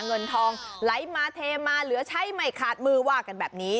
เงินทองไหลมาเทมาเหลือใช้ไม่ขาดมือว่ากันแบบนี้